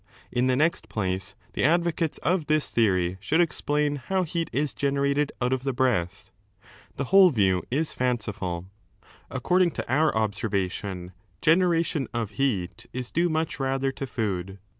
In the next place, the advocates of this theory should explain how heat is generated out of the breath. The whole view is fancifuL According to our observation generation of heat is due much rather to food.